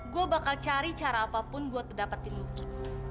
gue bakal cari cara apapun buat dapetin lucu